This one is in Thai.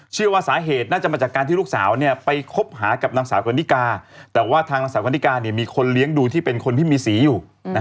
เชื่อว่าสาเหตุน่าจะมาจากการที่ลูกสาวไปคบหากับนางสาวกรณิกาแต่ว่าทางนางสาววันนิกามีคนเลี้ยงดูที่เป็นคนที่มีสีอยู่